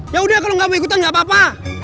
yaudah kalo gak mau ikutan gak apa apa